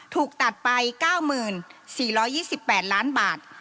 ถูกตัดไป๙๔๒๘ล้านบาท